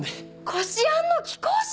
こし餡の貴公子！